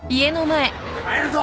帰るぞ！